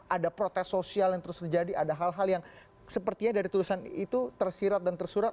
ada protes sosial yang terus terjadi ada hal hal yang sepertinya dari tulisan itu tersirat dan tersurat